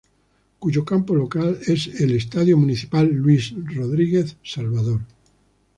Cuyo campo local es el "Estadio Municipal Luís Rodríguez Salvador".